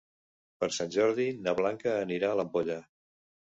Per Sant Jordi na Blanca anirà a l'Ampolla.